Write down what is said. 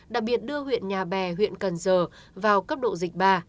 đặc biệt đưa huyện nhà bè huyện cần giờ vào cấp độ dịch ba